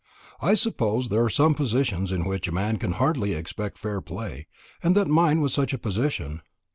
I suppose there are some positions in which a man can hardly expect fair play, and that mine was such a position.